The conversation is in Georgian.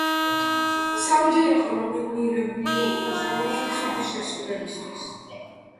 სამჯერ იყო ნომინირებული ოქროს ჟოლოზე ცუდი შესრულებისთვის.